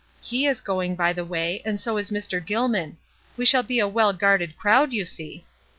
He is going, by the way, and so is Mr. Oilman ; we shall be a well guarded crowd, you see.